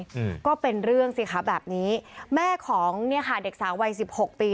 อืมก็เป็นเรื่องสิคะแบบนี้แม่ของเนี้ยค่ะเด็กสาววัยสิบหกปี